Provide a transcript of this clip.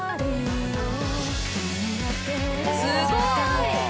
すごい。